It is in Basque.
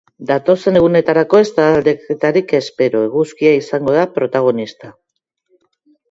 Datozen egunetarako ez da aldaketarik espero, eguzkia izango da protagonista.